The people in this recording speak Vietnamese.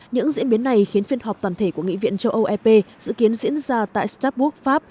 những diễn biến này khiến phiên họp toàn thể của nghị viện châu âu ep dự kiến diễn ra tại startbourg pháp